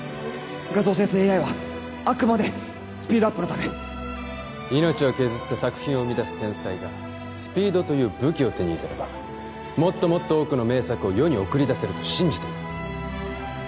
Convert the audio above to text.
画像生成ＡＩはあくまでスピードアップのため命を削って作品を生み出す天才がスピードという武器を手に入れればもっともっと多くの名作を世に送り出せると信じています